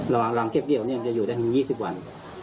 ระหว่างหลางเข้กเกลี่ยวนี้มันจะอยู่ได้คง๒๐วัน